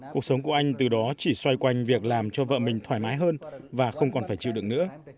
cuộc sống của anh từ đó chỉ xoay quanh việc làm cho vợ mình thoải mái hơn và không còn phải chịu được nữa